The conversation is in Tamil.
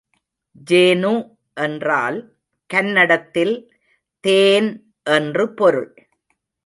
ஜேனு என்றால் கன்னடத்தில் தேன் என்று பொருள்.